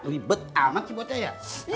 libet amat sih buatnya ya